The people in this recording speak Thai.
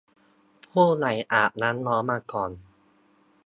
ผู้ใหญ่อาบน้ำร้อนมาก่อน